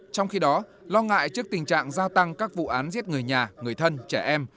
trong khi đó lo ngại trước tình trạng gia tăng các vụ án giết người nhà người thân trẻ em